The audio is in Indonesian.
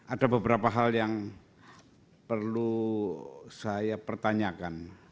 ada beberapa hal yang perlu saya pertanyakan